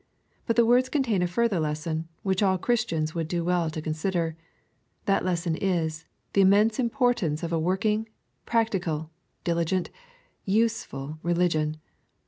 But the words contain a further lesson, which all Christians would do well to consider. That lesson is, the immense importance of a working, practical, diligent, useful religion.